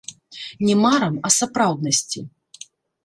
Не марам, а сапраўднасці.